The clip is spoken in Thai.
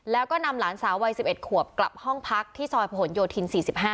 แล้วก็นำหลานสาววัย๑๑ขวบกลับห้องพักที่ซอยผนโยธิน๔๕